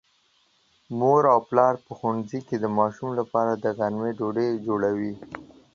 مور او پلار په ښوونځي کې د ماشوم لپاره د غرمې ډوډۍ جوړوي.